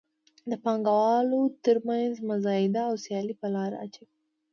د پانګوالو تر مینځ مزایده او سیالي په لاره اچوي.